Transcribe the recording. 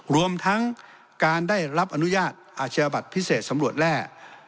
รวมทั้งการได้รับอนุญาตอาชญาบัตรพิเศษสำรวจแร่